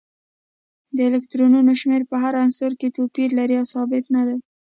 د الکترونونو شمیر په هر عنصر کې توپیر لري او ثابت نه دی